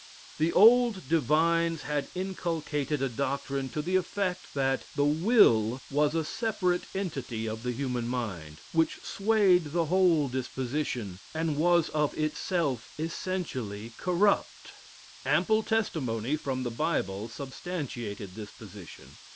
The old divines had inculcated a doctrine to the effect that the "will" was a separate entity of the human mind, which swayed the whole disposition, and was of itself essentially corrupt. Ample testimony from the Bible substantiated this position.